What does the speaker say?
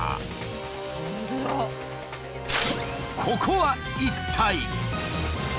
ここは一体？